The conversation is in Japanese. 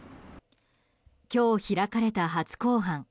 今日、開かれた初公判。